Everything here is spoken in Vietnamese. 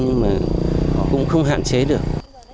nhưng mà cũng không hạn chế được